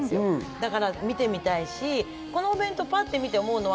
だから見てみたいし、このお弁当ぱっとみて思うのは。